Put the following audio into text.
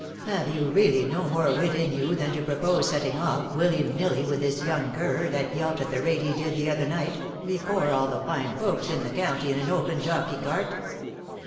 Have you really no more wit in you than to propose setting off, willy nilly, with this young cur, that yelped at the rate he did the other night, before all the fine folks in the county, in an open jockey cart?